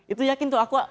itu yakin tuh